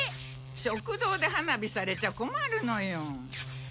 食堂で花火されちゃこまるのよ。